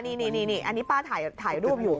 นี่อันนี้ป้าถ่ายรูปอยู่